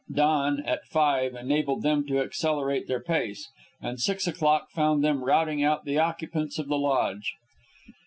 Dawn, at five, enabled them to accelerate their pace; and six o'clock found them routing out the occupants of the lodge.